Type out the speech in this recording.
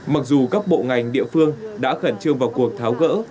mặc dù các bộ ngành địa phương đã khẩn trương vào cuộc tháo gỡ